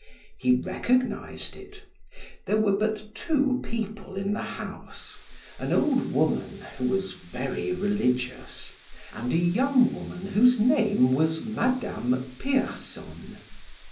He recognized it; there were but two people in the house, an old woman who was very religious, and a young woman whose name was Madame Pierson.